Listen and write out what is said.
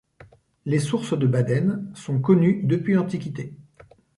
Les sources de Baden sont connues depuis l'Antiquité.